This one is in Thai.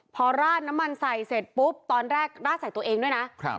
พอราดน้ำมันใส่เสร็จปุ๊บตอนแรกราดใส่ตัวเองด้วยนะ